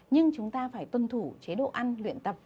nhưng chúng ta phải tuân thủ chế độ ăn luyện tập